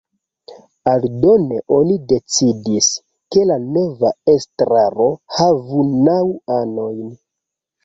Aldone oni decidis, ke la nova estraro havu naŭ anojn.